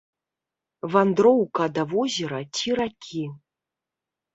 Вандроўка да возера ці ракі.